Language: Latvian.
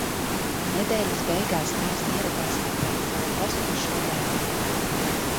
Nedēļas beigās tēvs ieradās meklēt savu pazudušo dēlu.